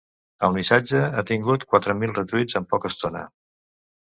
El missatge ha tingut quatre mil retweets en poca estona.